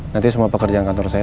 nanti semua pekerjaan kantor saya